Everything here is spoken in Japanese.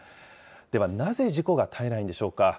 では、なぜ事故が絶えないんでしょうか。